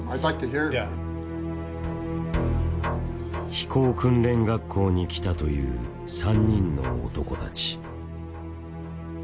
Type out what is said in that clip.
飛行訓練学校に来たという３人の男たち。